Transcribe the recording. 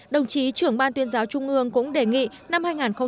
đồng chí trưởng ban tuyên giáo trung ương cũng đề nghị năm hai nghìn một mươi chín